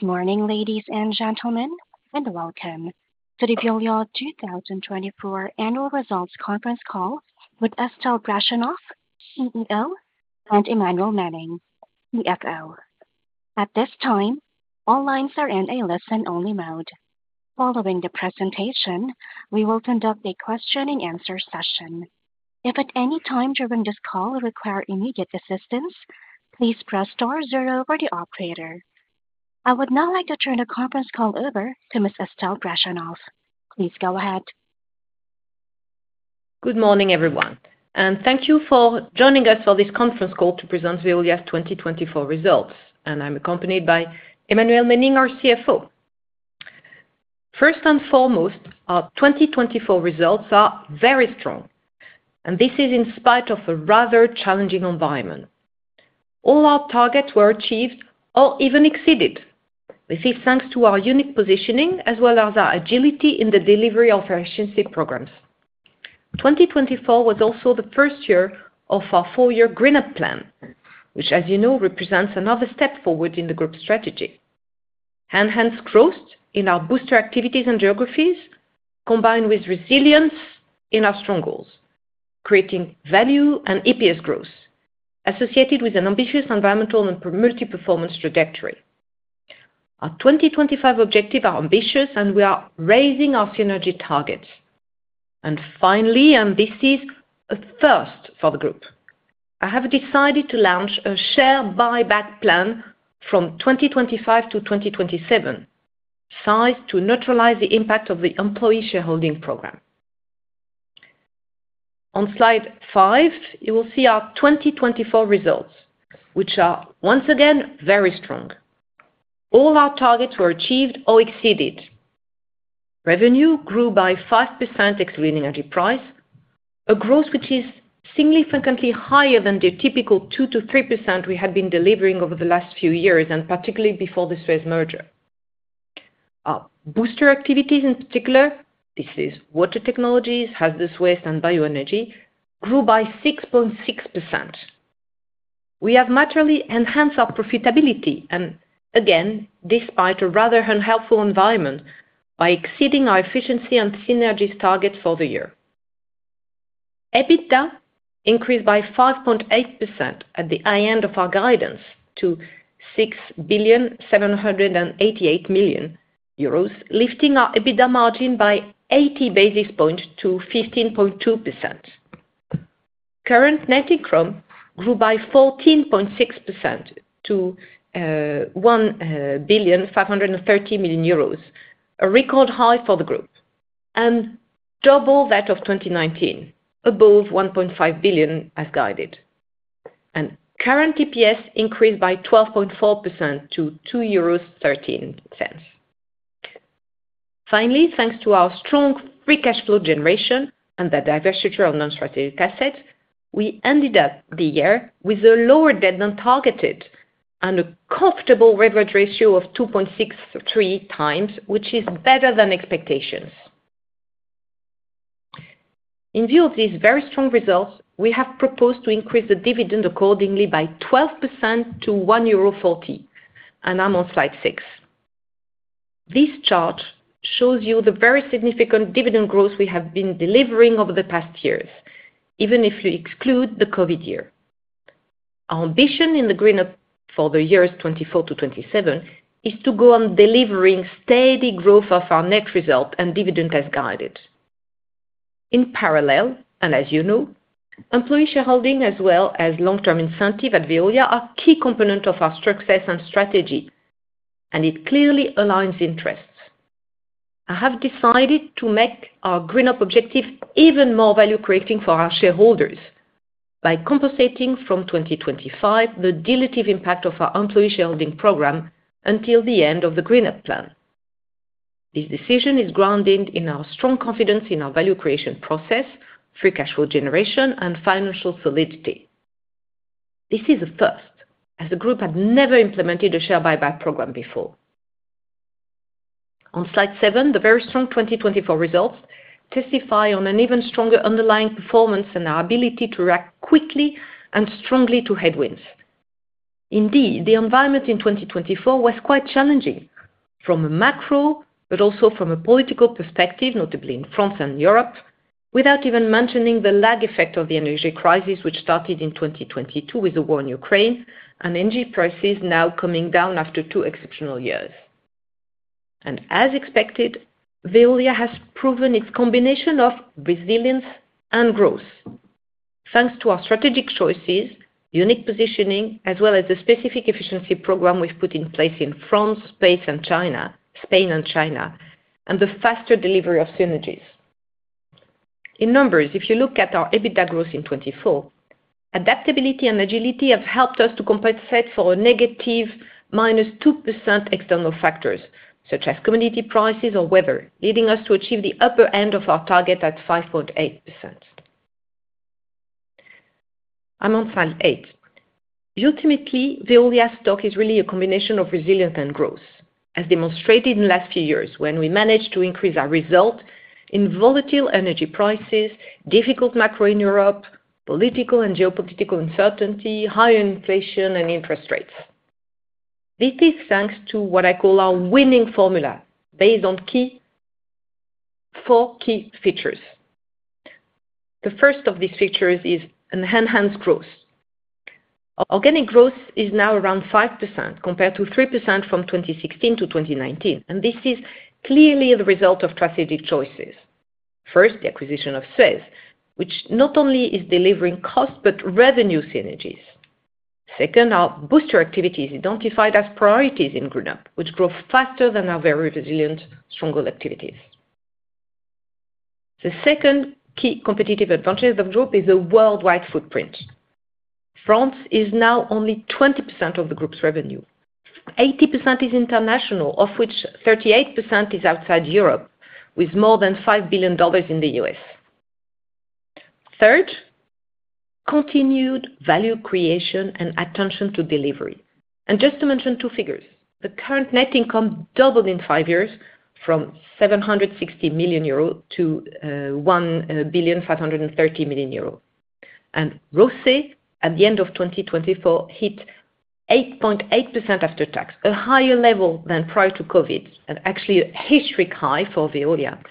Good morning, ladies and gentlemen, and welcome to the Veolia 2024 Annual Results Conference call with Estelle Brachlianoff, CEO, and Emmanuelle Menning, CFO. At this time, all lines are in a listen-only mode. Following the presentation, we will conduct a question-and-answer session. If at any time during this call you require immediate assistance, please press star zero for the operator. I would now like to turn the conference call over to Ms. Estelle Brachlianoff. Please go ahead. Good morning, everyone, and thank you for joining us for this conference call to present Veolia's 2024 results, and I'm accompanied by Emmanuelle Menning, our CFO. First and foremost, our 2024 results are very strong, and this is in spite of a rather challenging environment. All our targets were achieved or even exceeded. This is thanks to our unique positioning as well as our agility in the delivery of our efficiency programs. 2024 was also the first year of our four-year Green Up plan, which, as you know, represents another step forward in the group's strategy. Hands-on in our booster activities and geographies, combined with resilience in our strongholds, creating value and EPS growth associated with an ambitious environmental and multi-performance trajectory. Our 2025 objectives are ambitious, and we are raising our synergy targets. Finally, and this is a first for the group, I have decided to launch a share buyback plan from 2025 to 2027, sized to neutralize the impact of the employee shareholding program. On slide five, you will see our 2024 results, which are once again very strong. All our targets were achieved or exceeded. Revenue grew by 5% excluding energy price, a growth which is significantly higher than the typical 2% to 3% we had been delivering over the last few years, and particularly before the Suez merger. Our booster activities, in particular, this is water technologies, hazardous waste and bioenergy, grew by 6.6%. We have materially enhanced our profitability, and again, despite a rather unhelpful environment, by exceeding our efficiency and synergies targets for the year. EBITDA increased by 5.8% ahead of our guidance to 6,788,000,000 euros, lifting our EBITDA margin by 80 basis points to 15.2%. Current net income grew by 14.6% to EUR 1,530,000,000, a record high for the group and double that of 2019, above 1.5 billion as guided. Current EPS increased by 12.4% to 2.13 euros. Finally, thanks to our strong free cash flow generation and the disposal of non-strategic assets, we ended the year with a lower leverage targeted and a comfortable leverage ratio of 2.63 times, which is better than expectations. In view of these very strong results, we have proposed to increase the dividend accordingly by 12% to 1.40 euro, and I'm on slide six. This chart shows you the very significant dividend growth we have been delivering over the past years, even if you exclude the COVID year. Our ambition in the GreenUp for the years 2024 to 2027 is to go on delivering steady growth of our net result and dividend as guided. In parallel, and as you know, employee shareholding as well as long-term incentive at Veolia are key components of our success and strategy, and it clearly aligns interests. I have decided to make our GreenUp objective even more value-creating for our shareholders by compensating from 2025 the dilutive impact of our employee shareholding program until the end of the GreenUp plan. This decision is grounded in our strong confidence in our value creation process, free cash flow generation, and financial solidity. This is a first, as the group had never implemented a share buyback program before. On slide seven, the very strong 2024 results testify on an even stronger underlying performance and our ability to react quickly and strongly to headwinds. Indeed, the environment in 2024 was quite challenging from a macro, but also from a political perspective, notably in France and Europe, without even mentioning the lag effect of the energy crisis, which started in 2022 with the war in Ukraine and energy prices now coming down after two exceptional years. And as expected, Veolia has proven its combination of resilience and growth, thanks to our strategic choices, unique positioning, as well as the specific efficiency program we've put in place in France, Spain, and China, and the faster delivery of synergies. In numbers, if you look at our EBITDA growth in 2024, adaptability and agility have helped us to compensate for a negative minus 2% external factors such as commodity prices or weather, leading us to achieve the upper end of our target at 5.8%. I'm on slide eight. Ultimately, Veolia's stock is really a combination of resilience and growth, as demonstrated in the last few years when we managed to increase our result in volatile energy prices, difficult macro in Europe, political and geopolitical uncertainty, higher inflation, and interest rates. This is thanks to what I call our winning formula based on four key features. The first of these features is hand-in-hand growth. Organic growth is now around 5% compared to 3% from 2016 to 2019, and this is clearly the result of strategic choices. First, the acquisition of Suez, which not only is delivering cost but revenue synergies. Second, our booster activities identified as priorities in Green Up, which grow faster than our very resilient, stronghold activities. The second key competitive advantage of the group is a worldwide footprint. France is now only 20% of the group's revenue. 80% is international, of which 38% is outside Europe, with more than $5 billion in the US. Third, continued value creation and attention to delivery. And just to mention two figures, the current net income doubled in five years from 760 million euro to 1,530 million euro. And ROCE, at the end of 2024, hit 8.8% after tax, a higher level than prior to COVID, and actually a historic high for Veolia,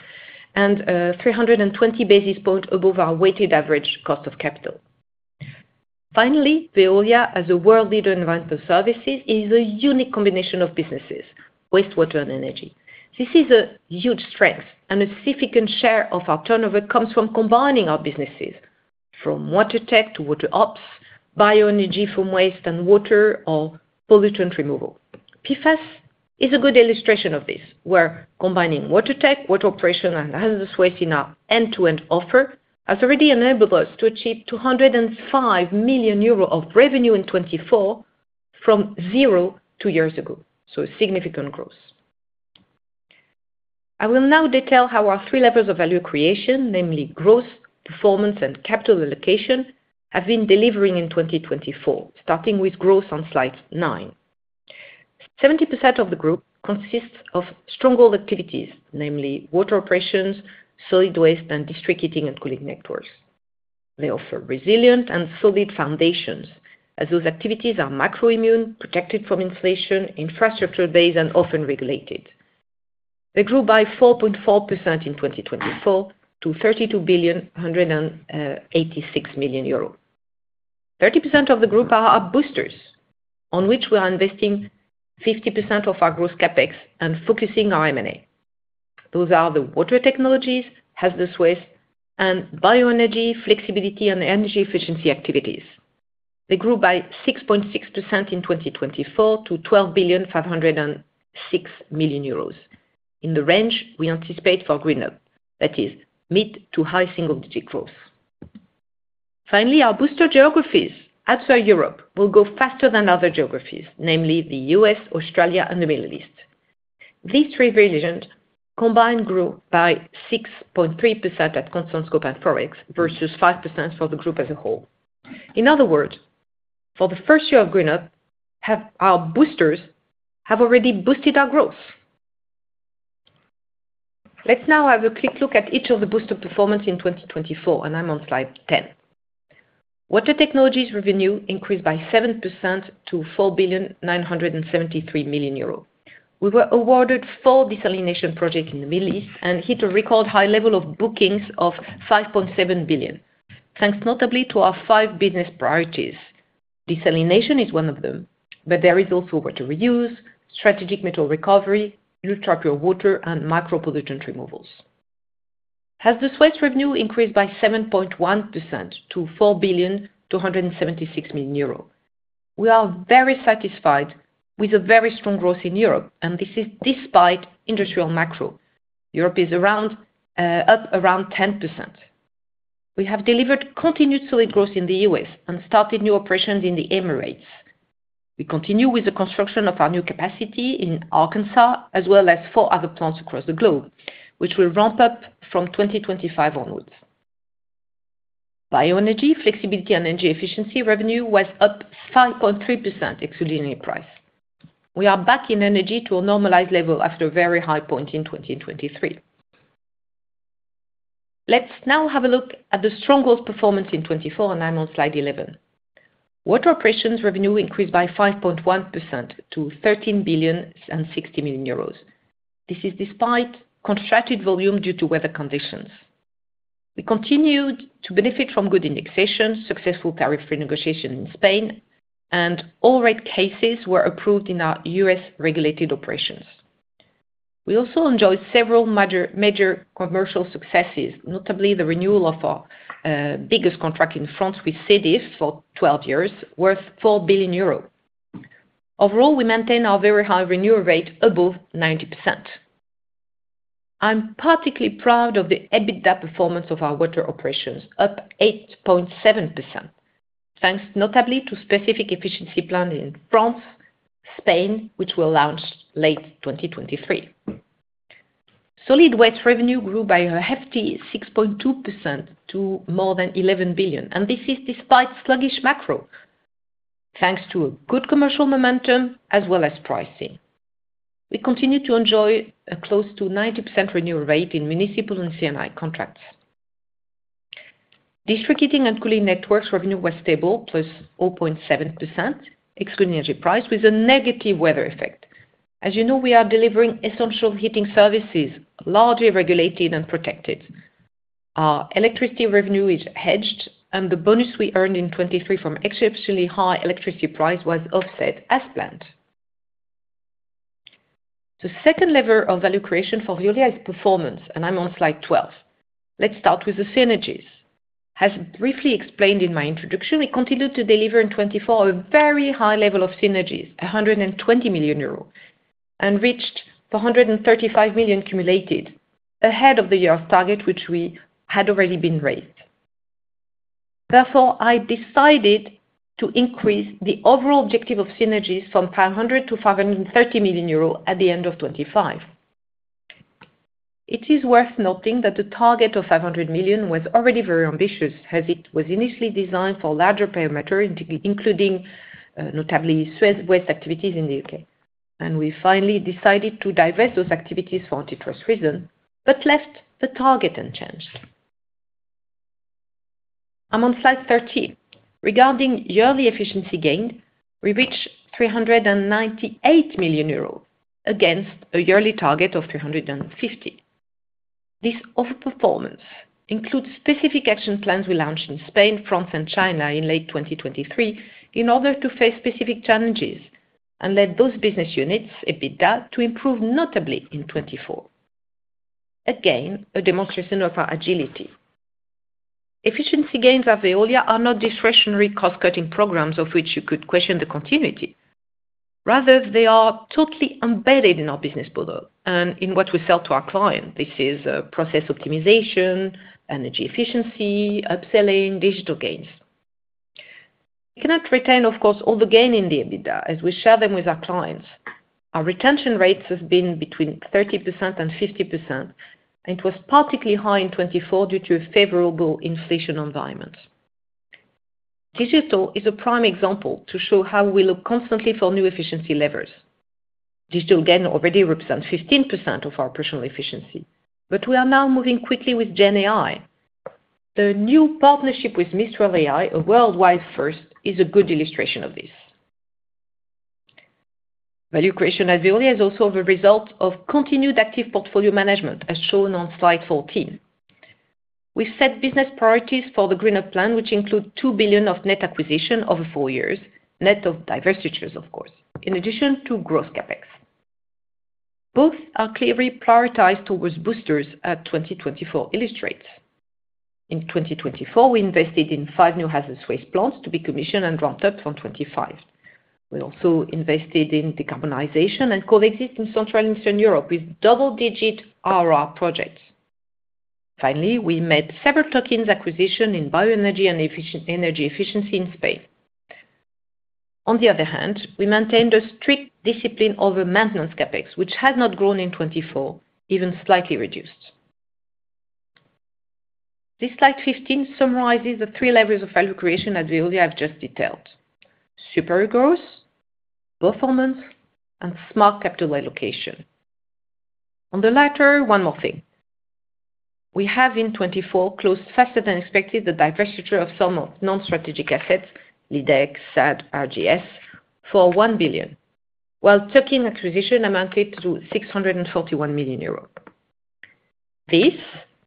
and 320 basis points above our weighted average cost of capital. Finally, Veolia, as a world leader in advanced services, is a unique combination of businesses, waste, water, and energy. This is a huge strength, and a significant share of our turnover comes from combining our businesses, from water tech to water ops, bioenergy from waste and water or pollutant removal. PFAS is a good illustration of this, where combining Water Tech, water operation, and hazardous waste in our end-to-end offer has already enabled us to achieve 205 million euros of revenue in 2024 from zero two years ago. So, significant growth. I will now detail how our three levels of value creation, namely growth, performance, and capital allocation, have been delivering in 2024, starting with growth on slide nine. 70% of the group consists of stronghold activities, namely water operations, solid waste, and district heating and cooling networks. They offer resilient and solid foundations, as those activities are macro-immune, protected from inflation, infrastructure-based, and often regulated. They grew by 4.4% in 2024 to 32,186 million euro. 30% of the group are our boosters, on which we are investing 50% of our gross CapEx and focusing our M&A. Those are the water technologies, hazardous waste, and bioenergy, flexibility, and energy efficiency activities. They grew by 6.6% in 2024 to 12,506 million euros in the range we anticipate for Green Up. That is mid to high single-digit growth. Finally, our booster geographies, outside Europe, will go faster than other geographies, namely the U.S., Australia, and the Middle East. These three regions combined grew by 6.3% at constant scope and forex versus 5% for the group as a whole. In other words, for the first year of Green Up, our boosters have already boosted our growth. Let's now have a quick look at each of the booster performance in 2024, and I'm on slide ten. Water technologies revenue increased by 7% to 4,973 million euro. We were awarded four desalination projects in the Middle East and hit a record high level of bookings of 5.7 billion, thanks notably to our five business priorities. Desalination is one of them, but there is also water reuse, strategic metal recovery, ultra-pure water, and micro-pollutant removals. Hazardous waste revenue increased by 7.1% to 4,276 million euro. We are very satisfied with a very strong growth in Europe, and this is despite industrial macro. Europe is up around 10%. We have delivered continued solid growth in the U.S. and started new operations in the Emirates. We continue with the construction of our new capacity in Arkansas, as well as four other plants across the globe, which will ramp up from 2025 onwards. Bioenergy, flexibility, and energy efficiency revenue was up 5.3% excluding any price. We are back in energy to a normalized level after a very high point in 2023. Let's now have a look at the strong growth performance in 2024, and I'm on slide 11. Water operations revenue increased by 5.1% to 13,060 million euros. This is despite contracted volume due to weather conditions. We continued to benefit from good indexation, successful tariff renegotiation in Spain, and all rate cases were approved in our US-regulated operations. We also enjoyed several major commercial successes, notably the renewal of our biggest contract in France with SEDIF for 12 years, worth 4 billion euros. Overall, we maintain our very high renewal rate above 90%. I'm particularly proud of the EBITDA performance of our water operations, up 8.7%, thanks notably to specific efficiency plans in France and Spain, which were launched late 2023. Solid waste revenue grew by a hefty 6.2% to more than 11 billion, and this is despite sluggish macro, thanks to a good commercial momentum as well as pricing. We continue to enjoy a close to 90% renewal rate in municipal and C&I contracts. District heating and cooling networks revenue was stable, +0.7% excluding energy price, with a negative weather effect. As you know, we are delivering essential heating services, largely regulated and protected. Our electricity revenue is hedged, and the bonus we earned in 2023 from exceptionally high electricity prices was offset as planned. The second lever of value creation for Veolia is performance, and I'm on slide 12. Let's start with the synergies. As briefly explained in my introduction, we continued to deliver in 2024 a very high level of synergies, 120 million euros, and reached 435 million cumulated ahead of the year's target, which we had already been raised. Therefore, I decided to increase the overall objective of synergies from 500 million-530 million euro at the end of 2025. It is worth noting that the target of 500 million was already very ambitious, as it was initially designed for larger player matters, including notably solid waste activities in the UK. And we finally decided to divest those activities for antitrust reasons, but left the target unchanged. I'm on slide 13. Regarding yearly efficiency gains, we reached 398 million euros against a yearly target of 350. This overperformance includes specific action plans we launched in Spain, France, and China in late 2023 in order to face specific challenges and let those business units' EBITDA improve notably in 2024. Again, a demonstration of our agility. Efficiency gains at Veolia are not discretionary cost-cutting programs, of which you could question the continuity. Rather, they are totally embedded in our business model and in what we sell to our clients. This is process optimization, energy efficiency, upselling, digital gains. We cannot retain, of course, all the gain in the EBITDA, as we share them with our clients. Our retention rates have been between 30% and 50%, and it was particularly high in 2024 due to a favorable inflation environment. Digital is a prime example to show how we look constantly for new efficiency levers. Digital gain already represents 15% of our overall efficiency, but we are now moving quickly with GenAI. The new partnership with Mistral AI, a worldwide first, is a good illustration of this. Value creation at Veolia is also the result of continued active portfolio management, as shown on slide 14. We've set business priorities for the Green Up plan, which include 2 billion of net acquisition over four years, net of divestitures, of course, in addition to gross CapEx. Both are clearly prioritized towards boosters in 2024, as illustrated. In 2024, we invested in five new hazardous waste plants to be commissioned and ramped up from 2025. We also invested in decarbonization and coal exit in Central and Eastern Europe with double-digit RR projects. Finally, we made several tuck-in acquisitions in bioenergy and energy efficiency in Spain. On the other hand, we maintained a strict discipline over maintenance CapEx, which has not grown in 2024, even slightly reduced. This slide 15 summarizes the three levers of value creation at Veolia I've just detailed: super growth, performance, and smart capital allocation. On the latter, one more thing. We have in 2024 closed faster than expected the divestiture of some non-strategic assets, Lydec, SADE, RGS, for 1 billion, while tuck-in acquisitions amounted to 641 million euros. This,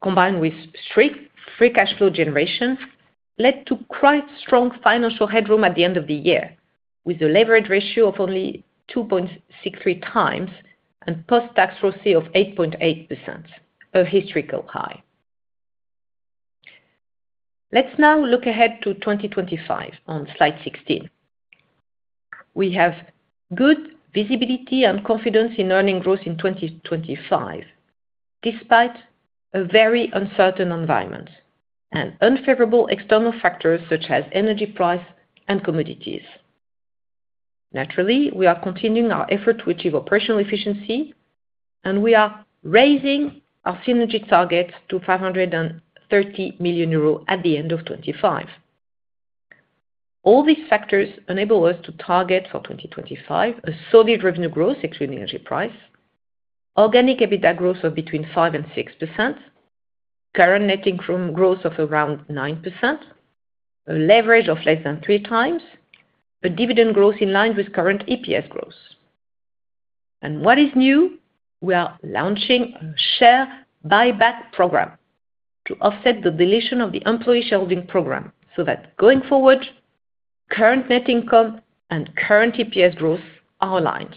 combined with strict free cash flow generation, led to quite strong financial headroom at the end of the year, with a leverage ratio of only 2.63 times and post-tax growth of 8.8%, a historical high. Let's now look ahead to 2025 on slide 16. We have good visibility and confidence in earning growth in 2025, despite a very uncertain environment and unfavorable external factors such as energy price and commodities. Naturally, we are continuing our effort to achieve operational efficiency, and we are raising our synergy targets to 530 million euros at the end of 2025. All these factors enable us to target for 2025 a solid revenue growth, excluding energy price, organic EBITDA growth of between 5% and 6%, current net income growth of around 9%, a leverage of less than three times, a dividend growth in line with current EPS growth. And what is new? We are launching a share buyback program to offset the deletion of the employee shareholding program so that going forward, current net income and current EPS growth are aligned.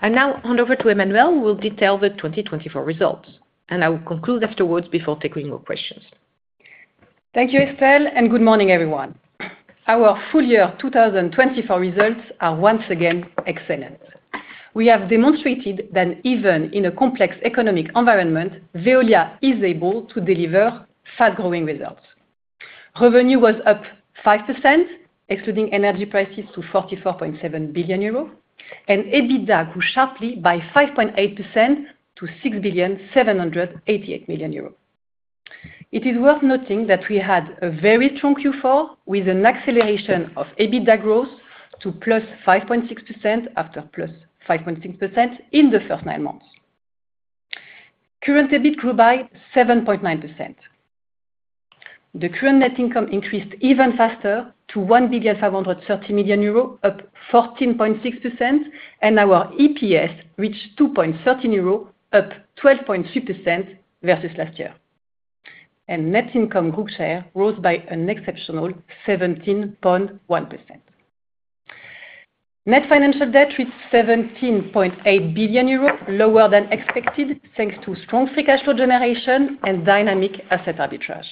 I now hand over to Emmanuelle, who will detail the 2024 results, and I will conclude afterwards before taking your questions. Thank you, Estelle, and good morning, everyone. Our full year 2024 results are once again excellent. We have demonstrated that even in a complex economic environment, Veolia is able to deliver fast-growing results. Revenue was up 5%, excluding energy prices, to 44.7 billion euros, and EBITDA grew sharply by 5.8% to 6,788 million euros. It is worth noting that we had a very strong Q4, with an acceleration of EBITDA growth to plus 5.6% after plus 5.6% in the first nine months. Current EBIT grew by 7.9%. The current net income increased even faster to 1,530 million euro, up 14.6%, and our EPS reached 2.13 euro, up 12.3% versus last year, and net income group share rose by an exceptional 17.1%. Net financial debt reached 17.8 billion euros, lower than expected, thanks to strong free cash flow generation and dynamic asset arbitrage.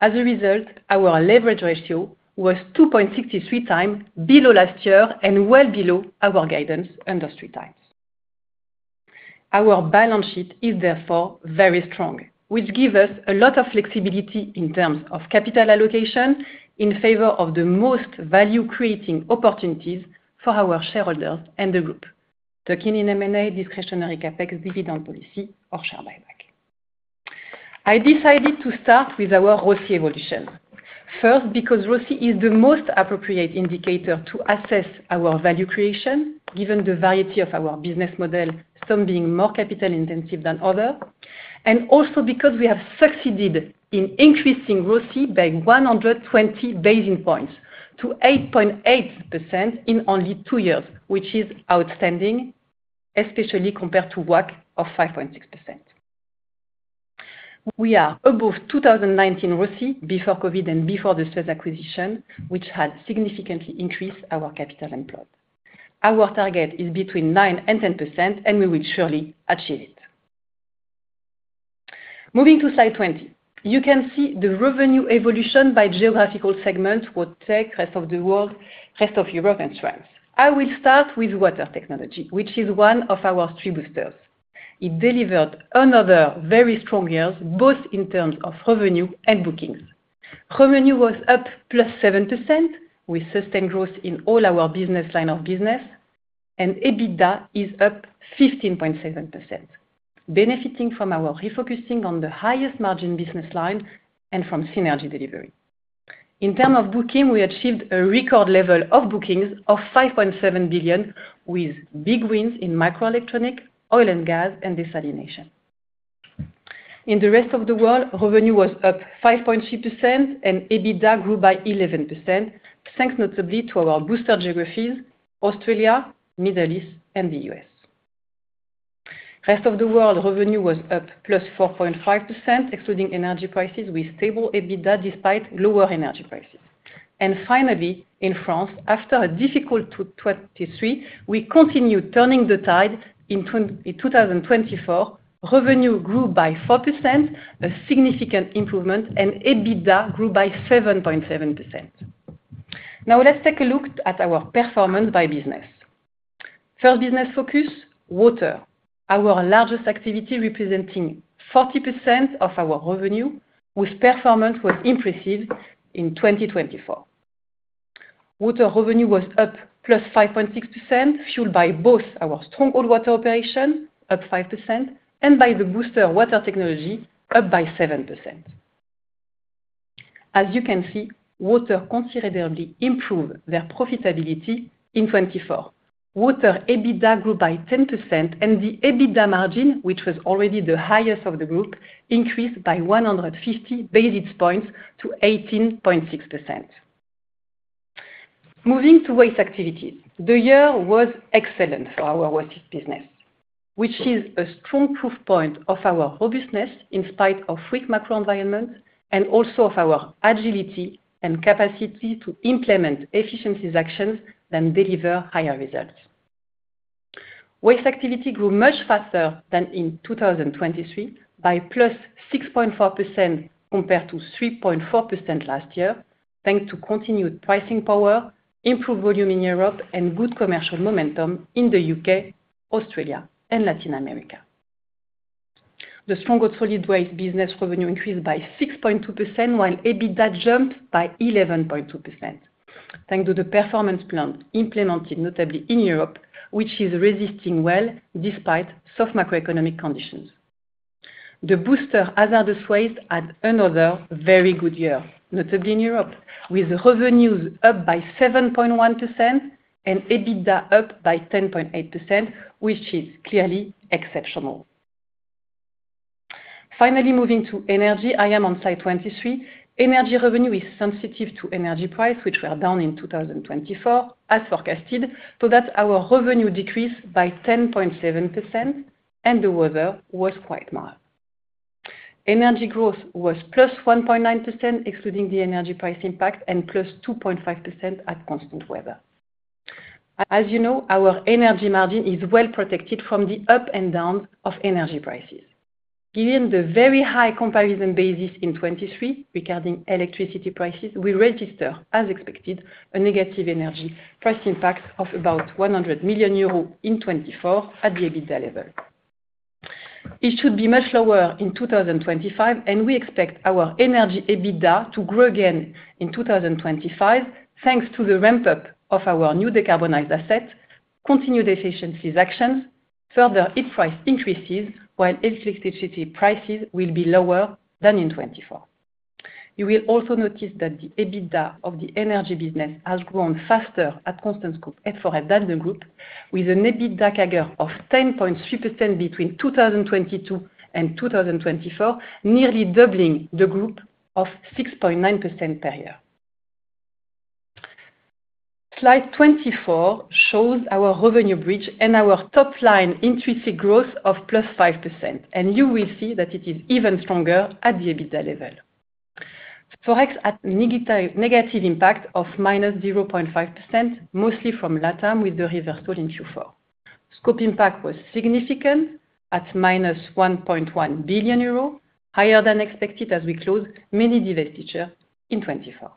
As a result, our leverage ratio was 2.63 times below last year and well below our guidance under three times. Our balance sheet is therefore very strong, which gives us a lot of flexibility in terms of capital allocation in favor of the most value-creating opportunities for our shareholders and the group, tuck-in M&A, discretionary CapEx, dividend policy, or share buyback. I decided to start with our ROCE evolution. First, because ROCE is the most appropriate indicator to assess our value creation, given the variety of our business model, some being more capital-intensive than others, and also because we have succeeded in increasing ROCE by 120 basis points to 8.8% in only two years, which is outstanding, especially compared to WACC of 5.6%. We are above 2019 ROCE before COVID and before the SUEZ acquisition, which had significantly increased our capital employed. Our target is between 9% and 10%, and we will surely achieve it. Moving to slide 20, you can see the revenue evolution by geographical segments for tech, rest of the world, rest of Europe, and France. I will start with Water Technologies, which is one of our three boosters. It delivered another very strong year, both in terms of revenue and bookings. Revenue was up plus 7%. We sustained growth in all our business lines of business, and EBITDA is up 15.7%, benefiting from our refocusing on the highest margin business line and from synergy delivery. In terms of booking, we achieved a record level of bookings of 5.7 billion, with big wins in microelectronics, oil and gas, and desalination. In the rest of the world, revenue was up 5.3%, and EBITDA grew by 11%, thanks notably to our booster geographies, Australia, the Middle East, and the US. Rest of the world, revenue was up plus 4.5%, excluding energy prices, with stable EBITDA despite lower energy prices, and finally, in France, after a difficult 2023, we continued turning the tide. In 2024, revenue grew by 4%, a significant improvement, and EBITDA grew by 7.7%. Now, let's take a look at our performance by business. First business focus, Water, our largest activity, representing 40% of our revenue, whose performance was impressive in 2024. Water revenue was up plus 5.6%, fueled by both our stronghold Water Operations, up 5%, and by the booster Water Technologies, up by 7%. As you can see, Water considerably improved their profitability in 2024. Water EBITDA grew by 10%, and the EBITDA margin, which was already the highest of the group, increased by 150 basis points to 18.6%. Moving to Waste activities, the year was excellent for our Waste business, which is a strong proof point of our robustness in spite of weak macro environments and also of our agility and capacity to implement efficiency actions that deliver higher results. Waste activity grew much faster than in 2023, by 6.4% compared to 3.4% last year, thanks to continued pricing power, improved volume in Europe, and good commercial momentum in the UK, Australia, and Latin America. The stronghold solid waste business revenue increased by 6.2%, while EBITDA jumped by 11.2%, thanks to the performance plan implemented, notably in Europe, which is resisting well despite soft macroeconomic conditions. The booster hazardous waste had another very good year, notably in Europe, with revenues up by 7.1% and EBITDA up by 10.8%, which is clearly exceptional. Finally, moving to energy, I am on slide 23. Energy revenue is sensitive to energy price, which were down in 2024, as forecasted, so that our revenue decreased by 10.7%, and the weather was quite mild. Energy growth was 1.9%, excluding the energy price impact, and 2.5% at constant weather. As you know, our energy margin is well protected from the ups and downs of energy prices. Given the very high comparison basis in 2023 regarding electricity prices, we register, as expected, a negative energy price impact of about 100 million euros in 2024 at the EBITDA level. It should be much lower in 2025, and we expect our energy EBITDA to grow again in 2025, thanks to the ramp-up of our new decarbonized asset, continued efficiency actions, further heat price increases, while electricity prices will be lower than in 2024. You will also notice that the EBITDA of the energy business has grown faster at constant scope and forex than the group, with an EBITDA CAGR of 10.3% between 2022 and 2024, nearly doubling the group's 6.9% per year. Slide 24 shows our revenue bridge and our top-line organic growth of +5%, and you will see that it is even stronger at the EBITDA level. Forex had a negative impact of -0.5%, mostly from LATAM with the reversal in Q4. Scope impact was significant at -1.1 billion euro, higher than expected as we closed many divestitures in 2024.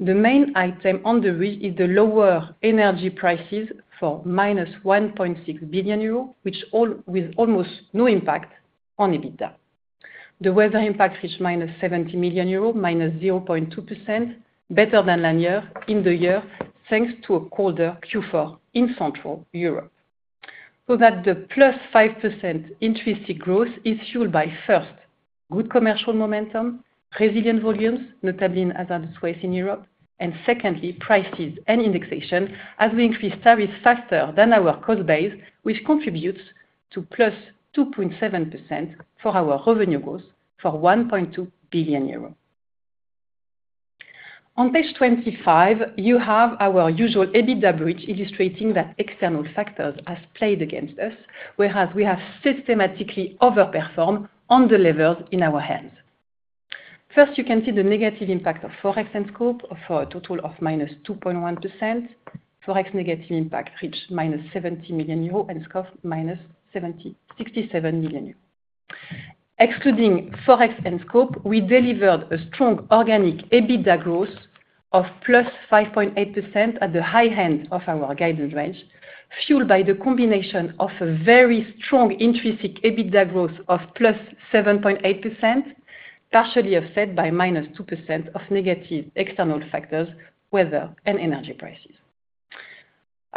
The main item on the right is the lower energy prices of -1.6 billion euros, which had almost no impact on EBITDA. The weather impact reached -70 million euros, -0.2%, better than last year in the year, thanks to a colder Q4 in Central Europe. That the +5% intrinsic growth is fueled by, first, good commercial momentum, resilient volumes, notably in hazardous waste in Europe, and secondly, prices and indexation as we increase tariffs faster than our cost base, which contributes to +2.7% for our revenue growth for 1.2 billion euros. On page 25, you have our usual EBITDA bridge illustrating that external factors have played against us, whereas we have systematically overperformed on the levers in our hands. First, you can see the negative impact of Forex and Scope for a total of -2.1%. Forex negative impact reached -70 million euros and Scope -67 million euros. Excluding Forex and Scope, we delivered a strong organic EBITDA growth of +5.8% at the high end of our guidance range, fueled by the combination of a very strong intrinsic EBITDA growth of +7.8%, partially offset by -2% of negative external factors, weather, and energy prices.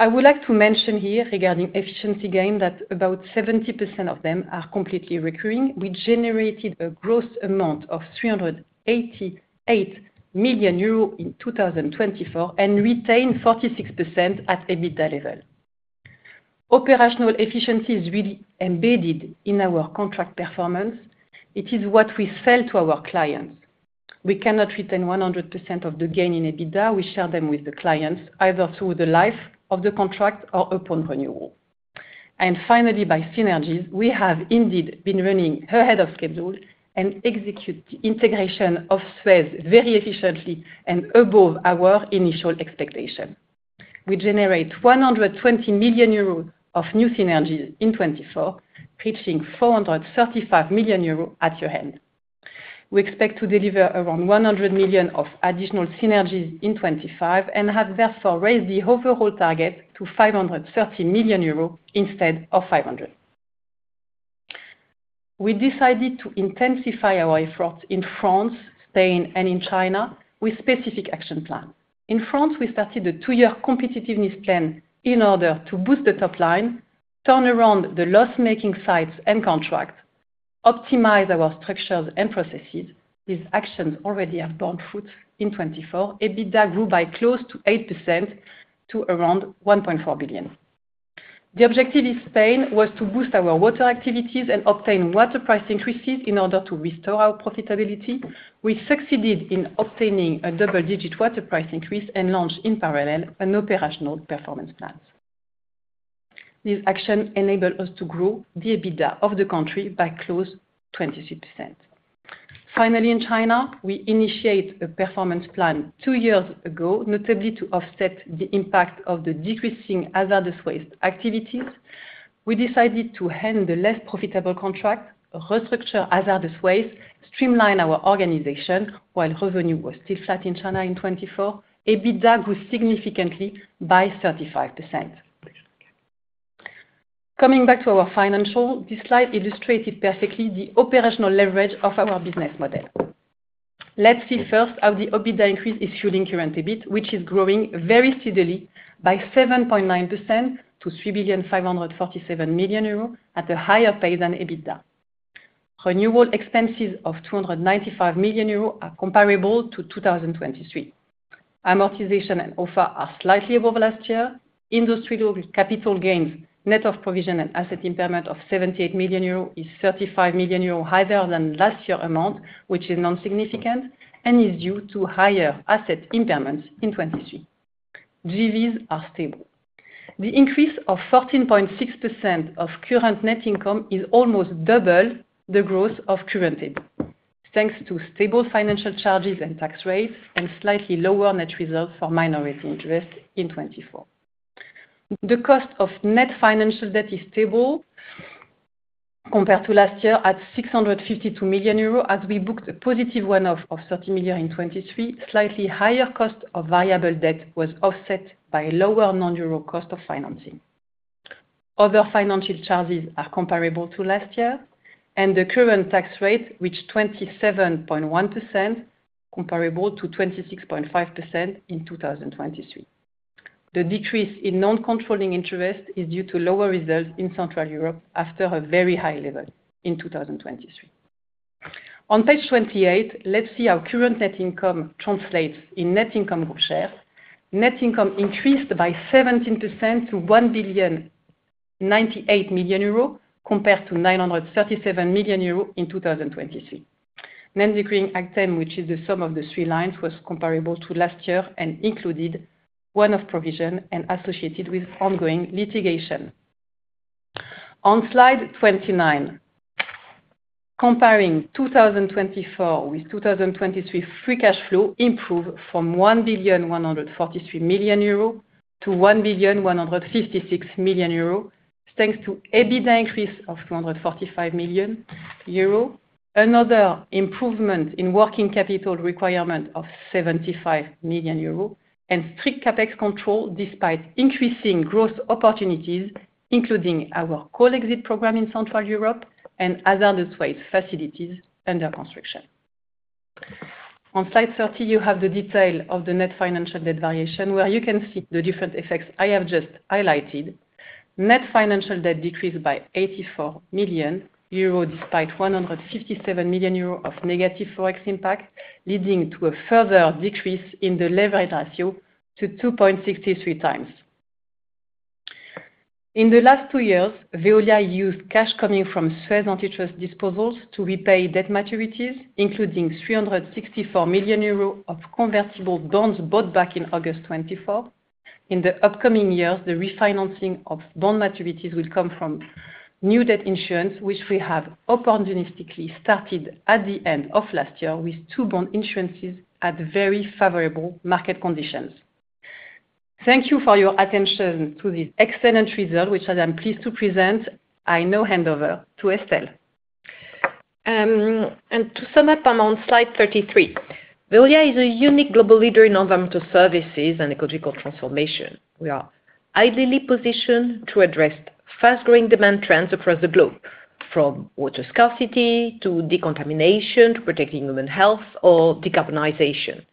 I would like to mention here regarding efficiency gain that about 70% of them are completely recurring. We generated a gross amount of 388 million euros in 2024 and retained 46% at EBITDA level. Operational efficiency is really embedded in our contract performance. It is what we sell to our clients. We cannot retain 100% of the gain in EBITDA. We share them with the clients either through the life of the contract or upon renewal. And finally, by synergies, we have indeed been running ahead of schedule and executed the integration of Suez very efficiently and above our initial expectation. We generate 120 million euros of new synergies in 2024, reaching 435 million euros at year-end. We expect to deliver around 100 million of additional synergies in 2025 and have therefore raised the overall target to 530 million euros instead of 500. We decided to intensify our efforts in France, Spain, and in China with a specific action plan. In France, we started a two-year competitiveness plan in order to boost the top line, turn around the loss-making sites and contract, optimize our structures and processes. These actions already have borne fruit in 2024. EBITDA grew by close to 8% to around 1.4 billion. The objective in Spain was to boost our water activities and obtain water price increases in order to restore our profitability. We succeeded in obtaining a double-digit water price increase and launched in parallel an operational performance plan. These actions enabled us to grow the EBITDA of the country by close to 23%. Finally, in China, we initiated a performance plan two years ago, notably to offset the impact of the decreasing hazardous waste activities. We decided to hand the less profitable contract, restructure hazardous waste, streamline our organization while revenue was still flat in China in 2024. EBITDA grew significantly by 35%. Coming back to our financials, this slide illustrated perfectly the operational leverage of our business model. Let's see first how the EBITDA increase is fueling current EBIT, which is growing very steadily by 7.9% to 3,547 million euro at a higher pace than EBITDA. Renewal expenses of 295 million euro are comparable to 2023. Amortization and OFA are slightly above last year. Industry capital gains, net of provision and asset impairment of 78 million euros is 35 million euros higher than last year's amount, which is non-significant and is due to higher asset impairments in 2023. JVs are stable. The increase of 14.6% of current net income is almost double the growth of current EBIT, thanks to stable financial charges and tax rates and slightly lower net reserves for minority interest in 2024. The cost of net financial debt is stable compared to last year at 652 million euros as we booked a positive one-off of 30 million in 2023. Slightly higher cost of variable debt was offset by lower non-European cost of financing. Other financial charges are comparable to last year, and the current tax rate reached 27.1%, comparable to 26.5% in 2023. The decrease in non-controlling interest is due to lower results in Central Europe after a very high level in 2023. On page 28, let's see how current net income translates in net income group shares. Net income increased by 17% to 1,098 million euro compared to 937 million euro in 2023. Net recurring item, which is the sum of the three lines, was comparable to last year and included one-off provision and associated with ongoing litigation. On slide 29, comparing 2024 with 2023, free cash flow improved from 1,143 million euro to 1,156 million euro, thanks to EBITDA increase of 245 million euro. Another improvement in working capital requirement of 75 million euro and strict CapEx control despite increasing growth opportunities, including our coal exit program in Central Europe and hazardous waste facilities under construction. On slide 30, you have the detail of the net financial debt variation where you can see the different effects I have just highlighted. Net financial debt decreased by 84 million euros despite 157 million euros of negative Forex impact, leading to a further decrease in the leverage ratio to 2.63 times. In the last two years, Veolia used cash coming from SUEZ antitrust disposals to repay debt maturities, including 364 million euros of convertible bonds bought back in August 2024. In the upcoming years, the refinancing of bond maturities will come from new debt issuance, which we have opportunistically started at the end of last year with two bond issuances at very favorable market conditions. Thank you for your attention to this excellent result, which I am pleased to present. I now hand over to Estelle. To sum up on slide 33, Veolia is a unique global leader in environmental services and ecological transformation. We are ideally positioned to address fast-growing demand trends across the globe, from water scarcity to decontamination to protecting human health or decarbonization.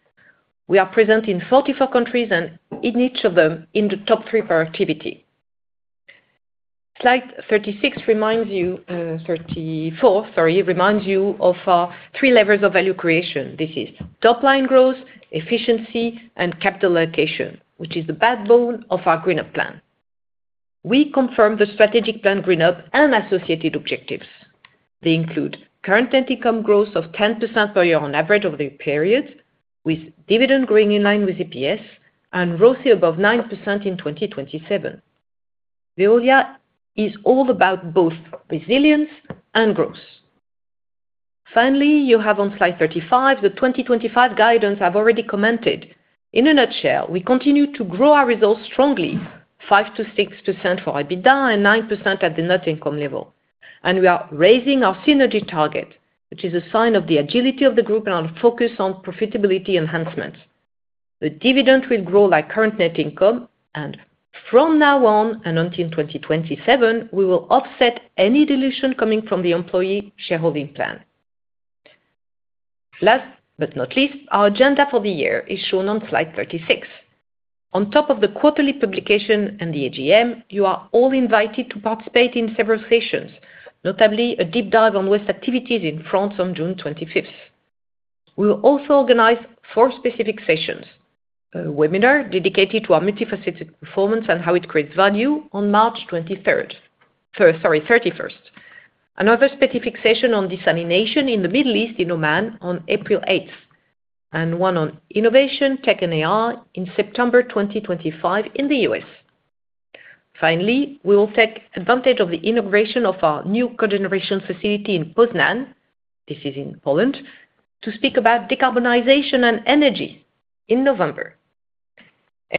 We are present in 44 countries and in each of them in the top three per activity. Slide 36 reminds you, sorry, reminds you of our three levers of value creation. This is top-line growth, efficiency, and capital allocation, which is the backbone of our GreenUp plan. We confirmed the strategic plan GreenUp and associated objectives. They include current net income growth of 10% per year on average over the period, with dividend growing in line with EPS and growth above 9% in 2027. Veolia is all about both resilience and growth. Finally, you have on slide 35 the 2025 guidance I've already commented. In a nutshell, we continue to grow our results strongly, 5%-6% for EBITDA and 9% at the net income level. We are raising our synergy target, which is a sign of the agility of the group and our focus on profitability enhancements. The dividend will grow like current net income, and from now on and until 2027, we will offset any dilution coming from the employee shareholding plan. Last but not least, our agenda for the year is shown on slide 36. On top of the quarterly publication and the AGM, you are all invited to participate in several sessions, notably a deep dive on waste activities in France on June 25th. We will also organize four specific sessions: a webinar dedicated to our multifaceted performance and how it creates value on March 23rd, sorry, 31st. Another specific session on desalination in the Middle East in Oman on April 8th, and one on innovation, tech, and AI in September 2025 in the US. Finally, we will take advantage of the inauguration of our new cogeneration facility in Poznań, this is in Poland, to speak about decarbonization and energy in November.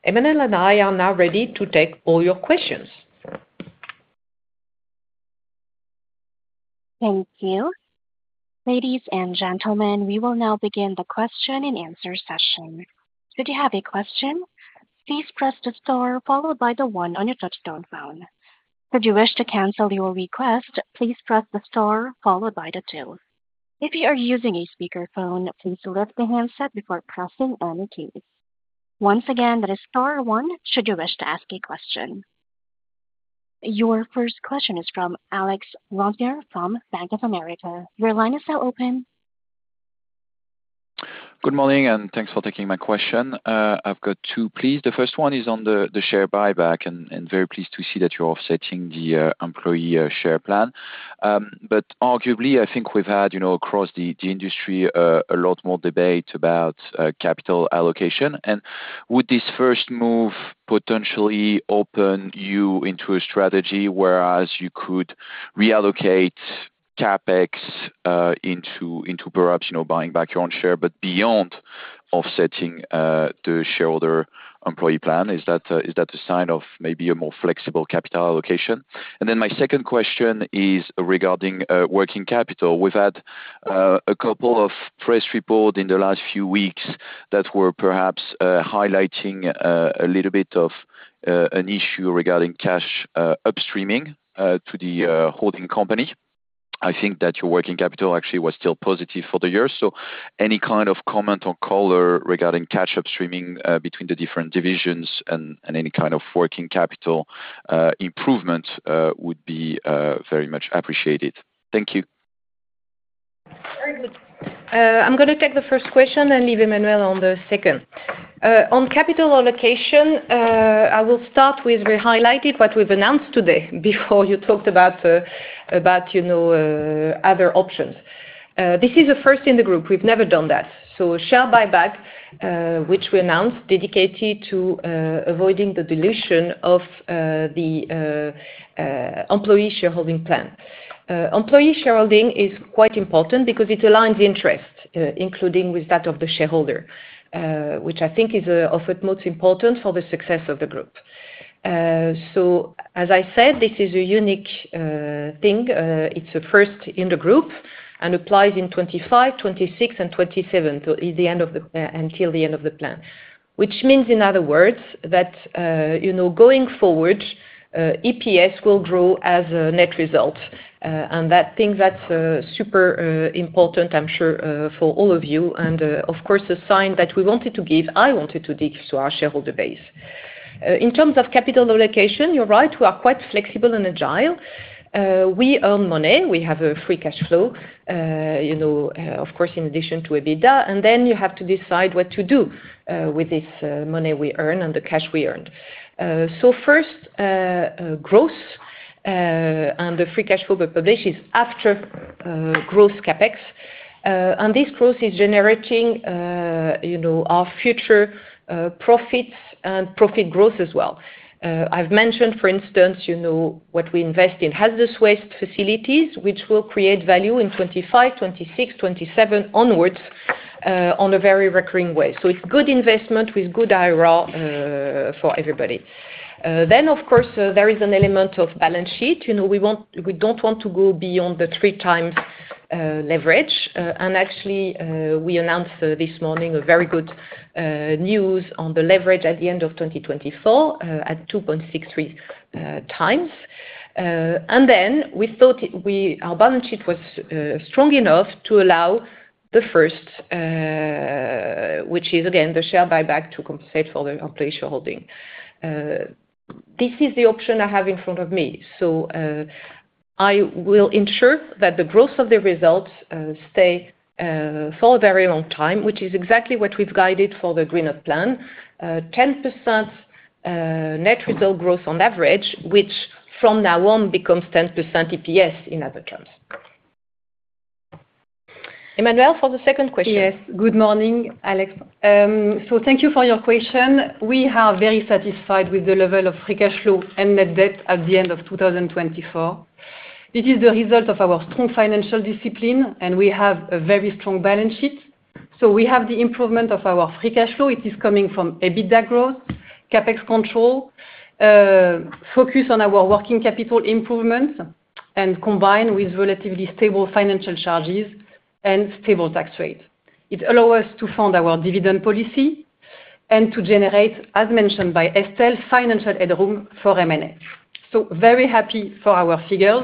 Emmanuelle and I are now ready to take all your questions. Thank you. Ladies and gentlemen, we will now begin the question and answer session. Should you have a question, please press the star followed by the one on your touch-tone phone. Should you wish to cancel your request, please press the star followed by the two. If you are using a speakerphone, please lift the handset before pressing any keys. Once again, that is star one. Should you wish to ask a question? Your first question is from Alex Roussier from Bank of America. Your line is now open. Good morning and thanks for taking my question. I've got two, please. The first one is on the share buyback and very pleased to see that you're offsetting the employee share plan. But arguably, I think we've had across the industry a lot more debate about capital allocation. And would this first move potentially open you into a strategy where you could reallocate CapEx into perhaps buying back your own shares, but beyond offsetting the employee shareholding plan? Is that a sign of maybe a more flexible capital allocation? And then my second question is regarding working capital. We've had a couple of press reports in the last few weeks that were perhaps highlighting a little bit of an issue regarding cash upstreaming to the holding company. I think that your working capital actually was still positive for the year. So any kind of comment or color regarding cash upstreaming between the different divisions and any kind of working capital improvement would be very much appreciated. Thank you. Very good. I'm going to take the first question and leave Emmanuelle on the second. On capital allocation, I will start with, we highlighted what we've announced today before you talked about other options. This is a first in the group. We've never done that. So share buyback, which we announced, dedicated to avoiding the dilution of the employee shareholding plan. Employee shareholding is quite important because it aligns interests, including with that of the shareholder, which I think is of the most important for the success of the group. So as I said, this is a unique thing. It's a first in the group and applies in 2025, 2026, and 2027 until the end of the plan, which means in other words that going forward, EPS will grow as a net result. And I think that's super important, I'm sure, for all of you. And of course, a sign that we wanted to give, I wanted to dig to our shareholder base. In terms of capital allocation, you're right, we are quite flexible and agile. We earn money. We have a free cash flow, of course, in addition to EBITDA. And then you have to decide what to do with this money we earn and the cash we earned. So first, gross and the free cash flow we publish is after gross CapEx. And this gross is generating our future profits and profit growth as well. I've mentioned, for instance, what we invest in hazardous waste facilities, which will create value in 2025, 2026, 2027 onwards on a very recurring way, so it's good investment with good IRR for everybody. Then, of course, there is an element of balance sheet. We don't want to go beyond the three times leverage, and actually, we announced this morning very good news on the leverage at the end of 2024 at 2.63 times, and then we thought our balance sheet was strong enough to allow the first, which is, again, the share buyback to compensate for the employee shareholding. This is the option I have in front of me. So I will ensure that the growth of the results stays for a very long time, which is exactly what we've guided for the GreenUp plan, 10% net result growth on average, which from now on becomes 10% EPS in other terms. Emmanuelle, for the second question. Yes. Good morning, Alex. So thank you for your question. We are very satisfied with the level of free cash flow and net debt at the end of 2024. This is the result of our strong financial discipline, and we have a very strong balance sheet. So we have the improvement of our free cash flow. It is coming from EBITDA growth, CapEx control, focus on our working capital improvements, and combined with relatively stable financial charges and stable tax rates. It allows us to fund our dividend policy and to generate, as mentioned by Estelle, financial headroom for M&A. So very happy for our figures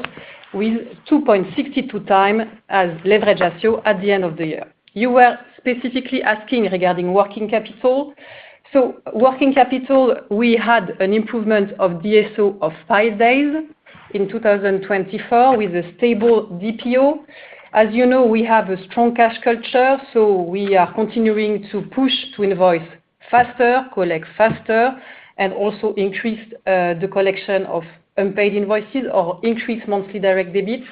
with 2.62 times as leverage ratio at the end of the year. You were specifically asking regarding working capital. Working capital, we had an improvement of DSO of five days in 2024 with a stable DPO. As you know, we have a strong cash culture, so we are continuing to push to invoice faster, collect faster, and also increase the collection of unpaid invoices or increase monthly direct debits.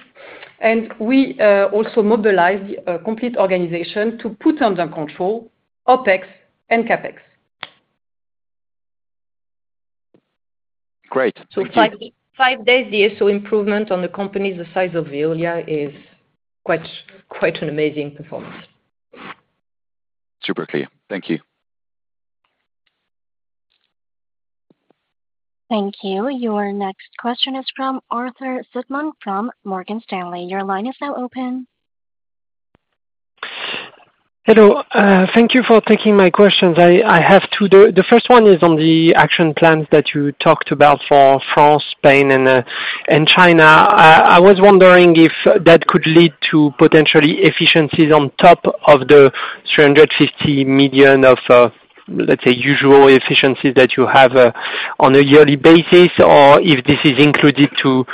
We also mobilized the complete organization to put under control OpEx and CapEx. Great. Five days DSO improvement on a company the size of Veolia is quite an amazing performance. Super clear. Thank you. Thank you. Your next question is from Arthur Sitbon from Morgan Stanley. Your line is now open. Hello. Thank you for taking my questions. I have two. The first one is on the action plans that you talked about for France, Spain, and China. I was wondering if that could lead to potentially efficiencies on top of the 350 million of, let's say, usual efficiencies that you have on a yearly basis, or if this is included to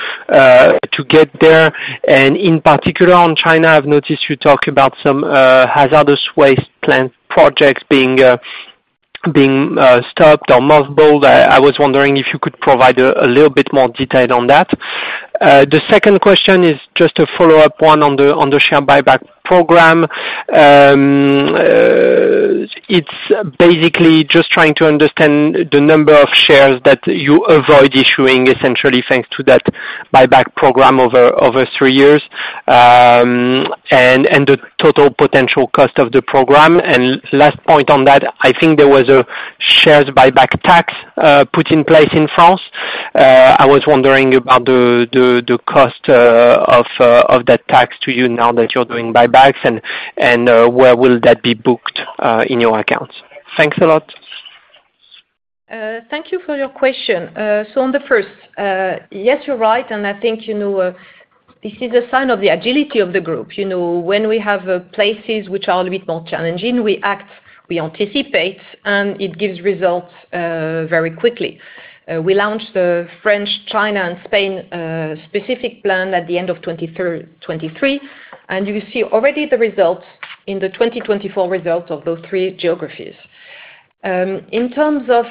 get there. And in particular, on China, I've noticed you talk about some hazardous waste planned projects being stopped or mothballed. I was wondering if you could provide a little bit more detail on that. The second question is just a follow-up one on the share buyback program. It's basically just trying to understand the number of shares that you avoid issuing, essentially, thanks to that buyback program over three years and the total potential cost of the program. And last point on that, I think there was a share buyback tax put in place in France. I was wondering about the cost of that tax to you now that you're doing buybacks, and where will that be booked in your accounts? Thanks a lot. Thank you for your question. So on the first, yes, you're right. And I think this is a sign of the agility of the group. When we have places which are a little bit more challenging, we act, we anticipate, and it gives results very quickly. We launched the French, Chinese, and Spanish specific plan at the end of 2023, and you see already the results in the 2024 results of those three geographies. In terms of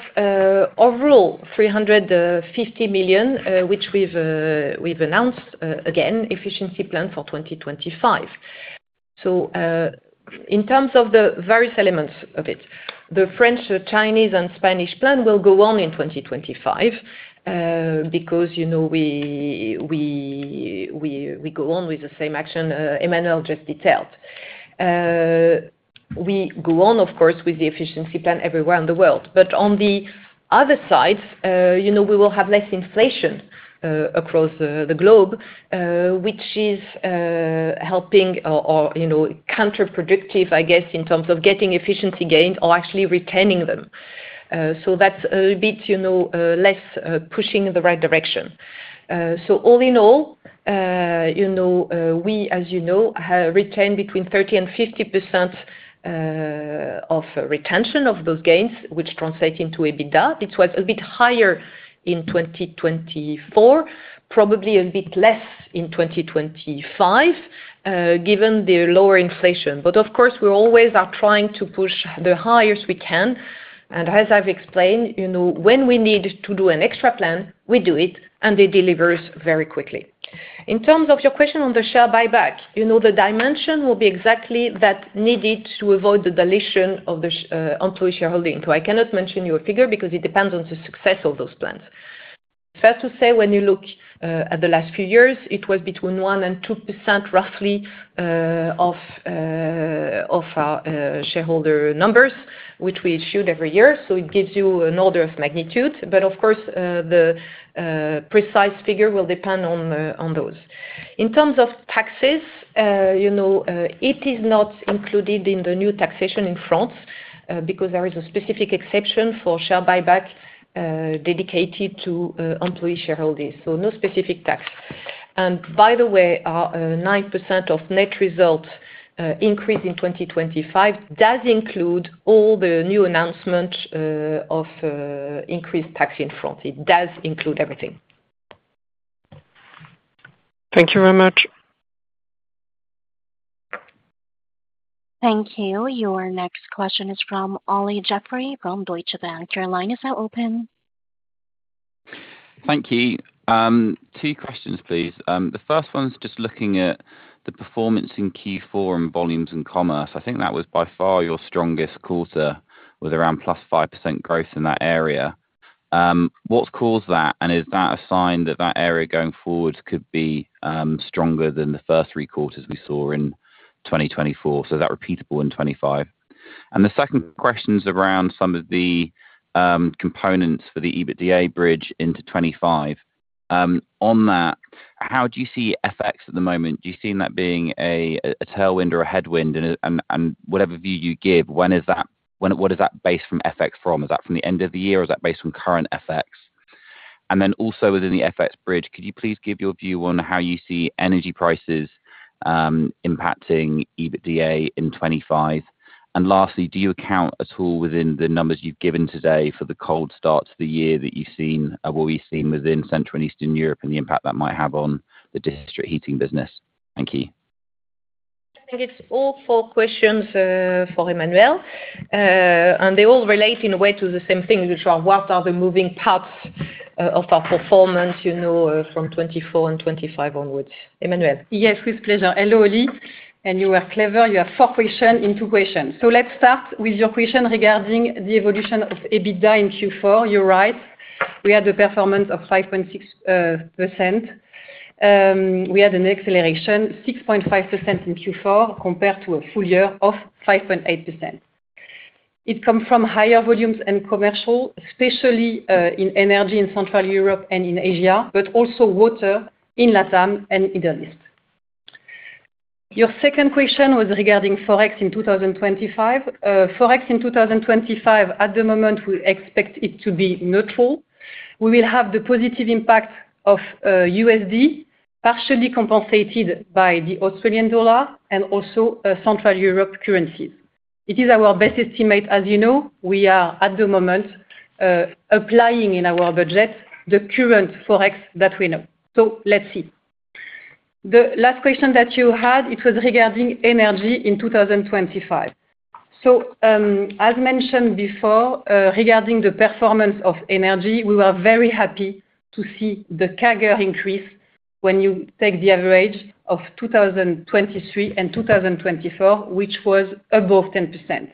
overall 350 million, which we've announced, again, efficiency plan for 2025. So in terms of the various elements of it, the French, Chinese, and Spanish plan will go on in 2025 because we go on with the same action Emmanuelle just detailed. We go on, of course, with the efficiency plan everywhere in the world, but on the other side, we will have less inflation across the globe, which is helping or counterproductive, I guess, in terms of getting efficiency gains or actually retaining them, so that's a bit less pushing in the right direction, so all in all, we, as you know, retained between 30% and 50% of retention of those gains, which translates into EBITDA. It was a bit higher in 2024, probably a bit less in 2025 given the lower inflation, but of course, we always are trying to push the highest we can, and as I've explained, when we need to do an extra plan, we do it, and it delivers very quickly. In terms of your question on the share buyback, the dimension will be exactly that needed to avoid the dilution of the employee shareholding. So, I cannot mention your figure because it depends on the success of those plans. Fair to say, when you look at the last few years, it was between 1% and 2% roughly of our shareholder numbers, which we issued every year. So it gives you an order of magnitude. But of course, the precise figure will depend on those. In terms of taxes, it is not included in the new taxation in France because there is a specific exception for share buyback dedicated to employee shareholders. So no specific tax. And by the way, our 9% of net result increase in 2025 does include all the new announcements of increased tax in France. It does include everything. Thank you very much. Thank you. Your next question is from Olly Jeffery from Deutsche Bank. Your line is now open. Thank you. Two questions, please. The first one's just looking at the performance in Q4 and volumes and commerce. I think that was by far your strongest quarter with around +5% growth in that area. What's caused that? And is that a sign that that area going forward could be stronger than the first three quarters we saw in 2024? So is that repeatable in 2025? And the second question's around some of the components for the EBITDA bridge into 2025. On that, how do you see FX at the moment? Do you see that being a tailwind or a headwind? And whatever view you give, what is that based from FX from? Is that from the end of the year? Is that based on current FX? And then also within the FX bridge, could you please give your view on how you see energy prices impacting EBITDA in 2025? And lastly, do you account at all within the numbers you've given today for the cold start to the year that you've seen or what we've seen within Central and Eastern Europe and the impact that might have on the district heating business? Thank you. I think it's all four questions for Emmanuelle. And they all relate in a way to the same thing, which are what are the moving parts of our performance from 2024 and 2025 onwards? Emmanuelle. Yes, with pleasure. Hello, Olly. And you were clever. You have four questions in two questions. So let's start with your question regarding the evolution of EBITDA in Q4. You're right. We had a performance of 5.6%. We had an acceleration of 6.5% in Q4 compared to a full year of 5.8%. It comes from higher volumes and commercial, especially in energy in Central Europe and in Asia, but also water in LATAM and in the US. Your second question was regarding Forex in 2025. Forex in 2025, at the moment, we expect it to be neutral. We will have the positive impact of USD partially compensated by the Australian dollar and also Central Europe currencies. It is our best estimate. As you know, we are at the moment applying in our budget the current Forex that we know. So let's see. The last question that you had, it was regarding energy in 2025. So as mentioned before, regarding the performance of energy, we were very happy to see the CAGR increase when you take the average of 2023 and 2024, which was above 10%.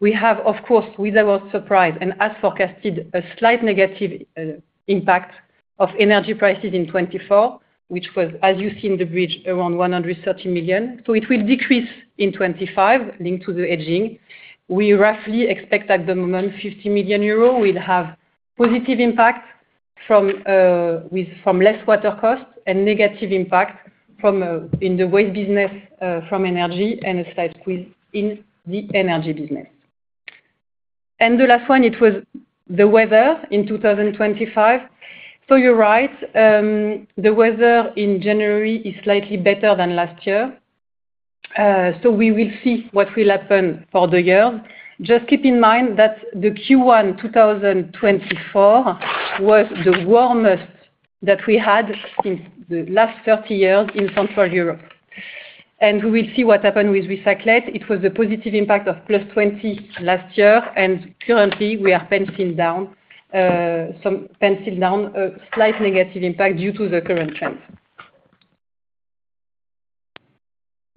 We have, of course, without surprise and as forecasted, a slight negative impact of energy prices in 2024, which was, as you see in the bridge, around 130 million. So it will decrease in 2025 linked to the hedging. We roughly expect at the moment 50 million euros will have positive impact from less water cost and negative impact in the waste business from energy and a slight squeeze in the energy business. And the last one, it was the weather in 2025. So you're right. The weather in January is slightly better than last year. So we will see what will happen for the year. Just keep in mind that the Q1 2024 was the warmest that we had since the last 30 years in Central Europe. And we will see what happened with recyclate. It was a positive impact of plus 20 million last year. Currently, we are penciling in a slight negative impact due to the current trends.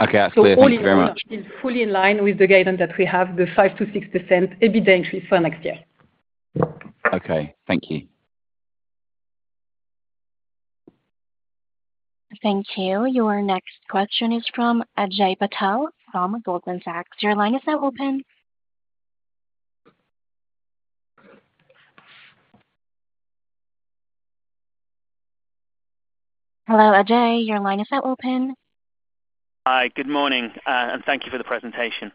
Okay. I see it very much. So, Olly will be fully in line with the guidance that we have, the 5%-6% EBITDA increase for next year. Okay. Thank you. Thank you. Your next question is from Ajay Patel from Goldman Sachs. Your line is now open. Hello, Ajay. Your line is now open. Hi. Good morning, and thank you for the presentation.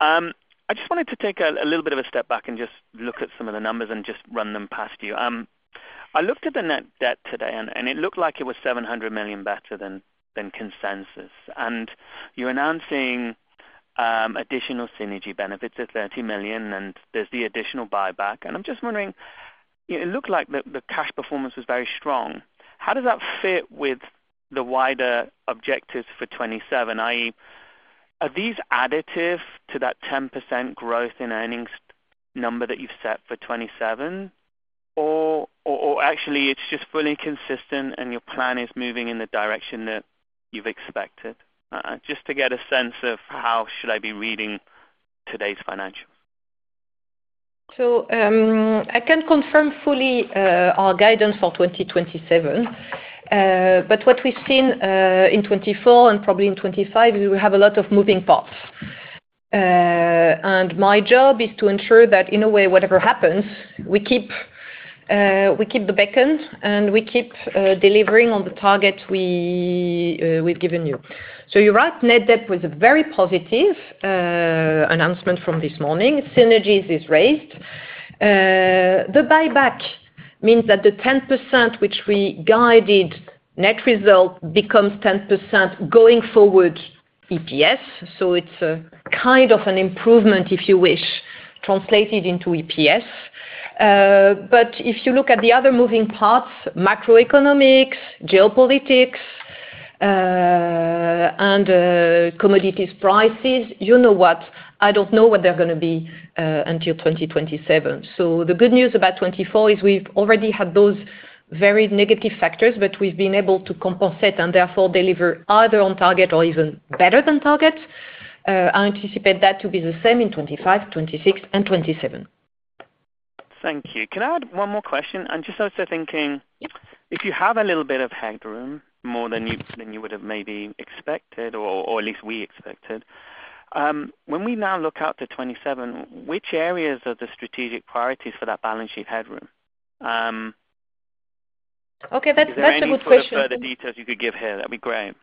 I just wanted to take a little bit of a step back and just look at some of the numbers and just run them past you. I looked at the net debt today, and it looked like it was 700 million better than consensus. And you're announcing additional synergy benefits at 30 million, and there's the additional buyback. I'm just wondering, it looked like the cash performance was very strong. How does that fit with the wider objectives for 2027? Are these additive to that 10% growth in earnings number that you've set for 2027? Or actually, it's just fully consistent, and your plan is moving in the direction that you've expected? Just to get a sense of how should I be reading today's financials? I can't confirm fully our guidance for 2027, but what we've seen in 2024 and probably in 2025, we have a lot of moving parts. My job is to ensure that, in a way, whatever happens, we keep the beacon and we keep delivering on the target we've given you. You're right. Net debt was a very positive announcement from this morning. Synergies is raised. The buyback means that the 10% which we guided net result becomes 10% going forward EPS. So it's kind of an improvement, if you wish, translated into EPS. But if you look at the other moving parts, macroeconomics, geopolitics, and commodities prices, you know what? I don't know what they're going to be until 2027. So the good news about 2024 is we've already had those very negative factors, but we've been able to compensate and therefore deliver either on target or even better than target. I anticipate that to be the same in 2025, 2026, and 2027. Thank you. Can I add one more question? I'm just also thinking if you have a little bit of headroom more than you would have maybe expected, or at least we expected, when we now look out to 2027, which areas are the strategic priorities for that balance sheet headroom? Okay. That's a good question. If you had a little bit further details you could give here, that'd be great.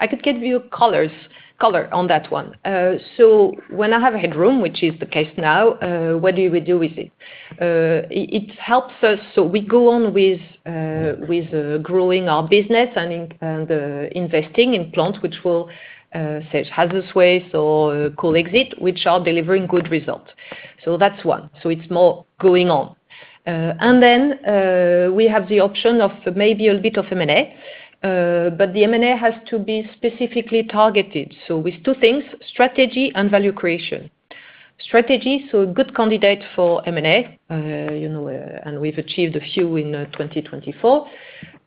I could give you color on that one. So when I have headroom, which is the case now, what do we do with it? It helps us. So we go on with growing our business and investing in plants which will treat hazardous waste or coal exit, which are delivering good results. So that's one. So it's more going on. And then we have the option of maybe a little bit of M&A, but the M&A has to be specifically targeted. So with two things, strategy and value creation. Strategy, so a good candidate for M&A, and we've achieved a few in 2024,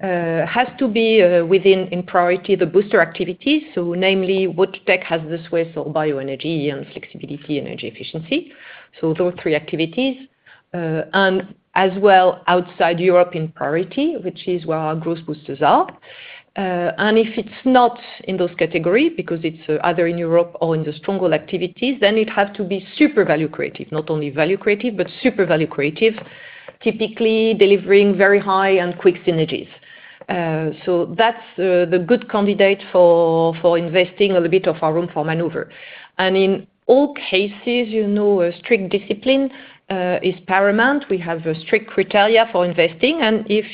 has to be within priority the booster activities. So namely, water tech, hazardous waste or bioenergy and flexibility energy efficiency. So those three activities. And as well, outside Europe in priority, which is where our growth boosters are. And if it's not in those categories because it's either in Europe or in the stronghold activities, then it has to be super value accretive, not only value accretive, but super value accretive, typically delivering very high and quick synergies. So that's the good candidate for investing a little bit of our room for maneuver. And in all cases, strict discipline is paramount. We have strict criteria for investing. And if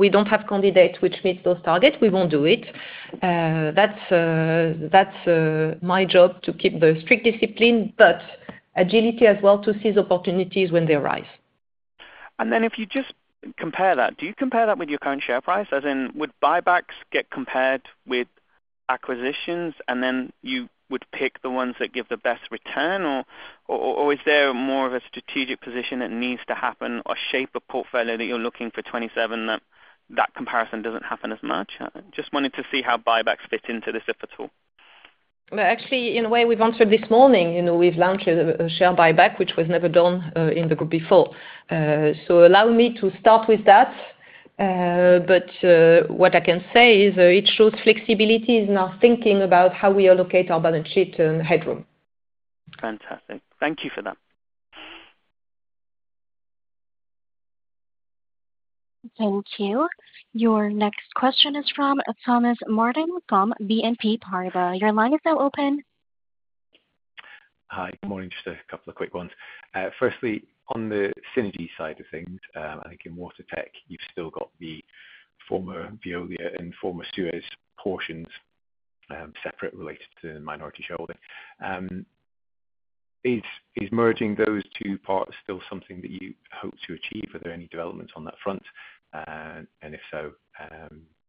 we don't have candidates which meet those targets, we won't do it. That's my job to keep the strict discipline, but agility as well to seize opportunities when they arise. And then if you just compare that, do you compare that with your current share price? As in, would buybacks get compared with acquisitions, and then you would pick the ones that give the best return? Or is there more of a strategic position that needs to happen or shape a portfolio that you're looking for 2027 that that comparison doesn't happen as much? Just wanted to see how buybacks fit into this if at all. Well, actually, in a way, we've answered this morning. We've launched a share buyback, which was never done in the group before. So allow me to start with that. But what I can say is it shows flexibility in our thinking about how we allocate our balance sheet and headroom. Fantastic. Thank you for that. Thank you. Your next question is from Thomas Martin with BNP Paribas. Your line is now open. Hi. Good morning. Just a couple of quick ones. Firstly, on the synergy side of things, I think in water tech, you've still got the former Veolia and former Suez portions separate related to minority shareholding. Is merging those two parts still something that you hope to achieve? Are there any developments on that front? And if so,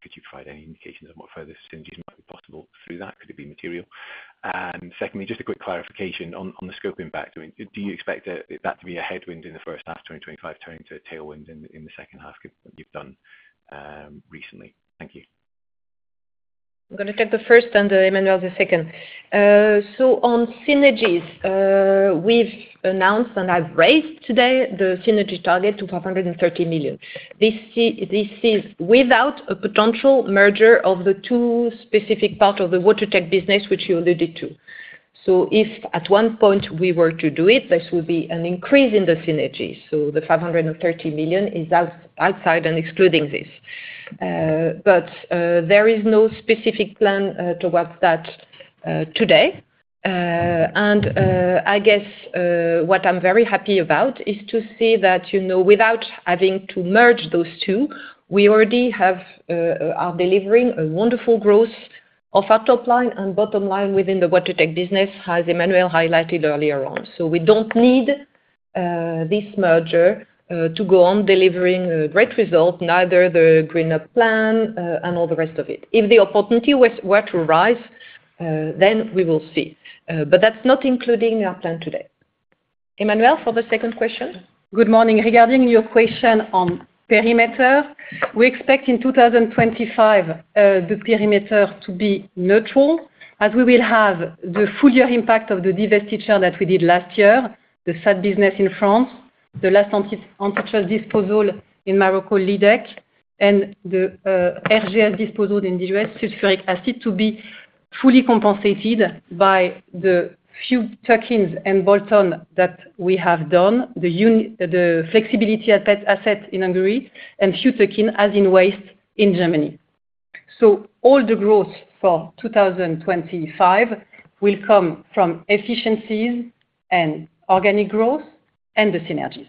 could you provide any indications on what further synergies might be possible through that? Could it be material? And secondly, just a quick clarification on the scope impact. Do you expect that to be a headwind in the first half of 2025 turning to a tailwind in the second half you've done recently? Thank you. I'm going to take the first and Emmanuelle the second. So on synergies, we've announced and I've raised today the synergy target to 530 million. This is without a potential merger of the two specific parts of the water tech business, which you alluded to. If at one point we were to do it, this would be an increase in the synergy. The 530 million is outside and excluding this. But there is no specific plan towards that today. I guess what I'm very happy about is to see that without having to merge those two, we already are delivering a wonderful growth of our top line and bottom line within the water tech business, as Emmanuelle highlighted earlier on. We don't need this merger to go on delivering great results, neither the Green Up plan and all the rest of it. If the opportunity were to arise, then we will see. But that's not including our plan today. Emmanuelle, for the second question. Good morning. Regarding your question on perimeter, we expect in 2025 the perimeter to be neutral, as we will have the full year impact of the divestiture that we did last year, the SADE business in France, the last Lydec disposal in Morocco, and the RGS disposal in the U.S., sulfuric acid, to be fully compensated by the few tuck-ins and bolt-on that we have done, the flexibility asset in Hungary, and few tuck-ins, as in waste, in Germany, so all the growth for 2025 will come from efficiencies and organic growth and the synergies.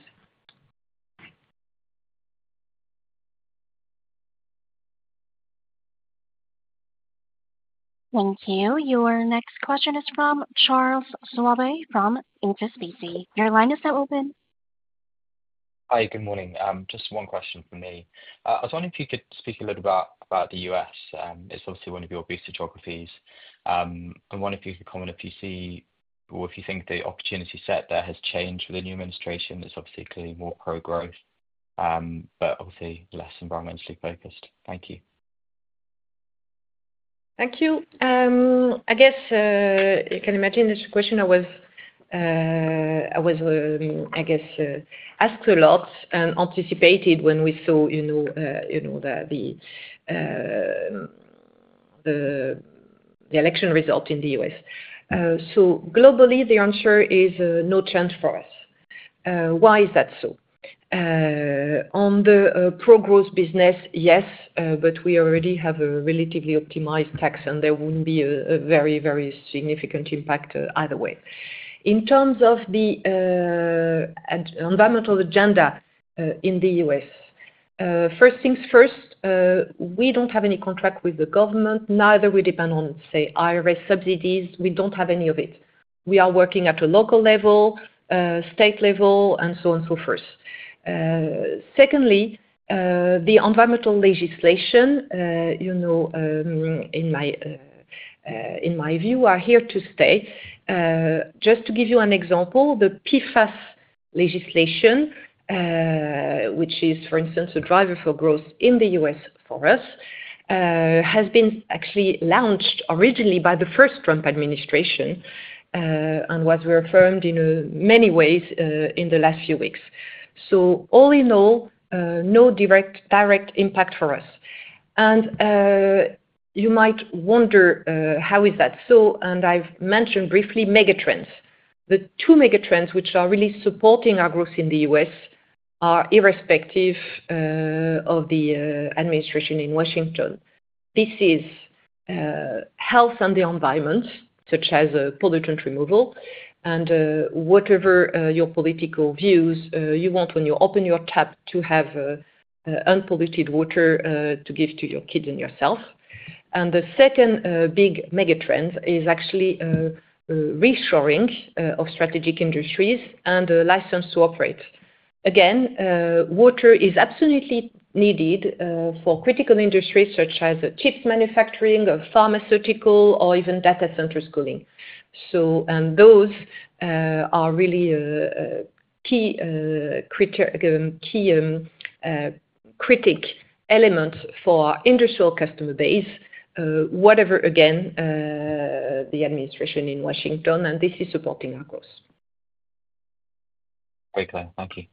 Thank you. Your next question is from Charles Swabey from HSBC. Your line is now open. Hi. Good morning. Just one question for me. I was wondering if you could speak a little about the US. It's obviously one of your booster geographies. I wonder if you could comment if you see or if you think the opportunity set there has changed with the new administration. It's obviously clearly more pro-growth, but obviously less environmentally focused. Thank you. Thank you. I guess you can imagine this question was, I guess, asked a lot and anticipated when we saw the election result in the U.S. So globally, the answer is no change for us. Why is that so? On the pro-growth business, yes, but we already have a relatively optimized tax, and there wouldn't be a very, very significant impact either way. In terms of the environmental agenda in the U.S., first things first, we don't have any contract with the government. Neither we depend on, say, IRS subsidies. We don't have any of it. We are working at a local level, state level, and so on and so forth. Secondly, the environmental legislation, in my view, are here to stay. Just to give you an example, the PFAS legislation, which is, for instance, a driver for growth in the U.S. for us, has been actually launched originally by the first Trump administration and was reaffirmed in many ways in the last few weeks. So all in all, no direct impact for us. And you might wonder, how is that? And I've mentioned briefly megatrends. The two megatrends which are really supporting our growth in the U.S. are irrespective of the administration in Washington. This is health and the environment, such as pollutant removal, and whatever your political views you want when you open your tap to have unpolluted water to give to your kids and yourself. And the second big megatrend is actually reshoring of strategic industries and license to operate. Again, water is absolutely needed for critical industries such as chip manufacturing, pharmaceutical, or even data center cooling. And those are really key critical elements for our industrial customer base, whatever the administration in Washington, and this is supporting our growth. Great. Thank you.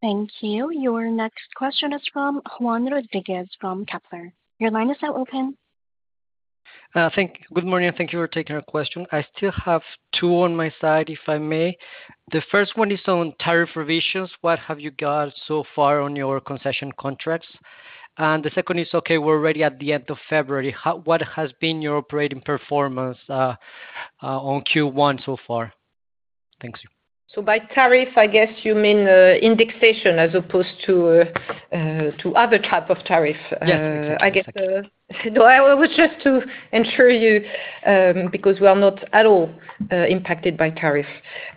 Thank you. Your next question is from Juan Rodriguez from Kepler. Your line is now open. Good morning. Thank you for taking our question. I still have two on my side, if I may. The first one is on tariff revisions. What have you got so far on your concession contracts? And the second is, okay, we're already at the end of February. What has been your operating performance on Q1 so far? Thank you. So by tariff, I guess you mean indexation as opposed to other type of tariff. I guess. No, I was just to ensure you because we are not at all impacted by tariff.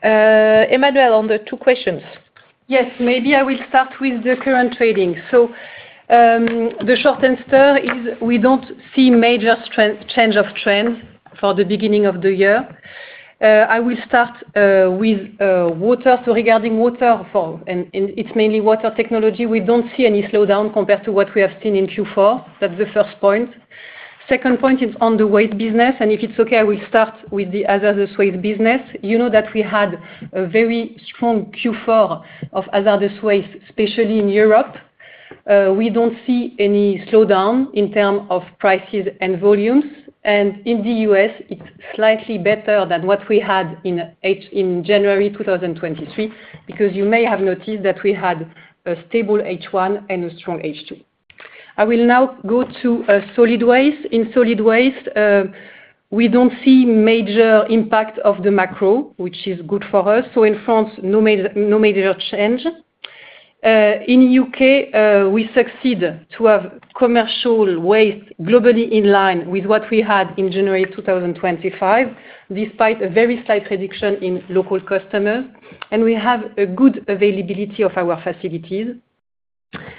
Emmanuelle, on the two questions. Yes. Maybe I will start with the current trading. So, the short answer is we don't see major change of trend for the beginning of the year. I will start with water. So, regarding water, it's mainly water technology. We don't see any slowdown compared to what we have seen in Q4. That's the first point. Second point is on the waste business. And if it's okay, I will start with the hazardous waste business. You know that we had a very strong Q4 of hazardous waste, especially in Europe. We don't see any slowdown in terms of prices and volumes. And in the U.S., it's slightly better than what we had in January 2023 because you may have noticed that we had a stable H1 and a strong H2. I will now go to solid waste. In solid waste, we don't see major impact of the macro, which is good for us. So in France, no major change. In the U.K., we succeed to have commercial waste globally in line with what we had in January 2025, despite a very slight reduction in local customers. And we have a good availability of our facilities.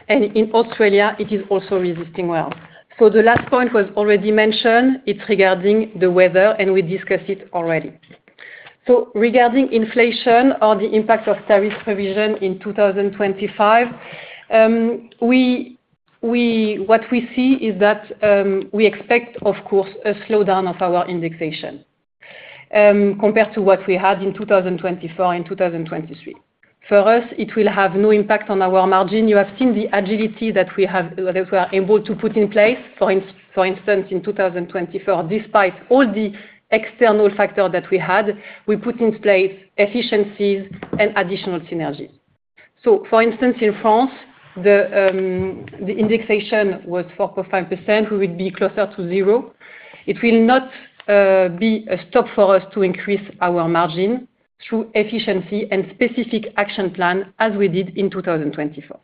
And in Australia, it is also resisting well. So the last point was already mentioned. It's regarding the weather, and we discussed it already. So regarding inflation or the impact of tariff provision in 2025, what we see is that we expect, of course, a slowdown of our indexation compared to what we had in 2024 and 2023. For us, it will have no impact on our margin. You have seen the agility that we are able to put in place. For instance, in 2024, despite all the external factors that we had, we put in place efficiencies and additional synergies. So for instance, in France, the indexation was 4.5%. We would be closer to zero. It will not be a stop for us to increase our margin through efficiency and specific action plan as we did in 2024.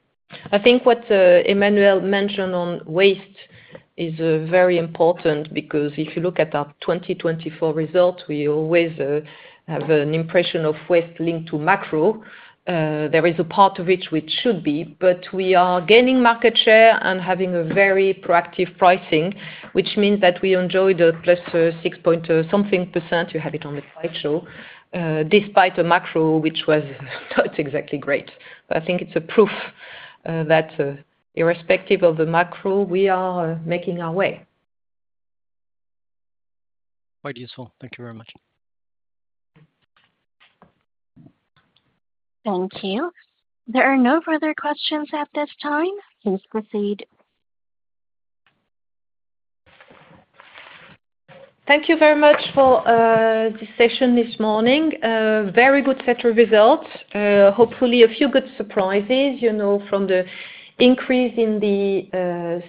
I think what Emmanuelle mentioned on waste is very important because if you look at our 2024 results, we always have an impression of waste linked to macro. There is a part of it which should be, but we are gaining market share and having a very proactive pricing, which means that we enjoy the plus 6 point something%. You have it on the slideshow despite a macro which was not exactly great. But I think it's a proof that irrespective of the macro, we are making our way. Quite useful. Thank you very much. Thank you. There are no further questions at this time. Please proceed. Thank you very much for this session this morning. Very good set of results. Hopefully, a few good surprises from the increase in the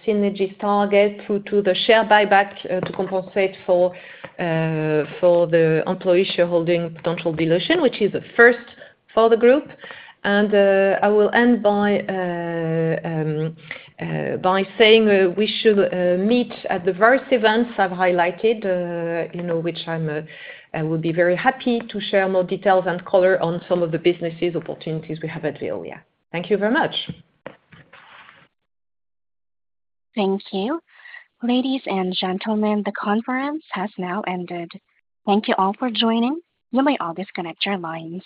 synergies target through to the share buyback to compensate for the employee shareholding potential dilution, which is a first for the group. And I will end by saying we should meet at the various events I've highlighted, which I will be very happy to share more details and color on some of the businesses' opportunities we have at Veolia. Thank you very much. Thank you. Ladies and gentlemen, the conference has now ended. Thank you all for joining. You may all disconnect your lines.